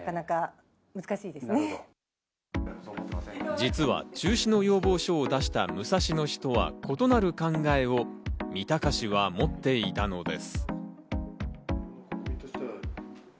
実は中止の要望書を出した武蔵野市とは異なる考えを三鷹市は持っていたのです。